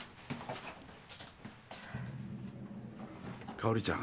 香織ちゃん。